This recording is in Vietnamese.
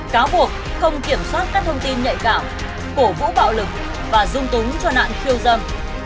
cáo buộc không kiểm soát các thông tin nhạy cảm cổ vũ bạo lực và dung túng cho nạn khiêu dâm